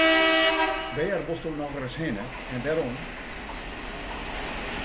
Wêr wolsto nochris hinne en wêrom?